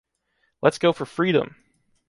Let’s go for Freedom!